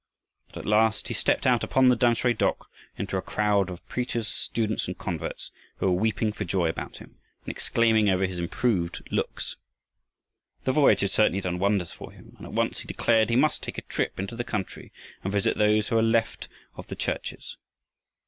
But at last he stepped out upon the Tamsui dock into a crowd of preachers, students, and converts who were weeping for joy about him and exclaiming over his improved looks. The voyage had certainly done wonders for him, and at once he declared he must take a trip into the country and visit those who were left of the churches.